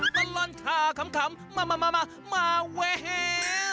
ตลอดข่าวขำมามาแวว